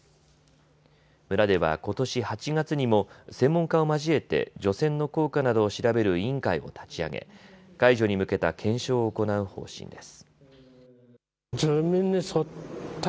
村では、ことし８月にも専門家を交えて除染の効果などを調べる委員会を立ち上げ、解除に向けた検証を行う方針です。